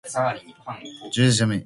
土日休み。